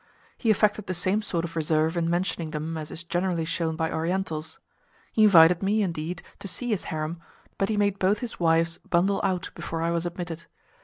He affected the same sort of reserve in mentioning them as is generally shown by Orientals. He invited me, indeed, to see his harem, but he made both his wives bundle out before I was admitted.